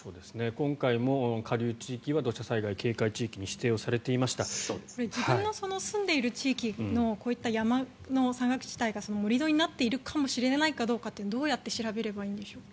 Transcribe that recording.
今回も下流地域は土砂災害警戒地域に自分の住んでいる地域のこういった山の山岳地帯が盛り土になっているかもしれないというのはどうやって調べればいいんでしょうか。